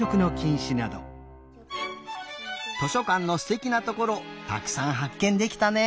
図書かんのすてきなところたくさんはっけんできたね。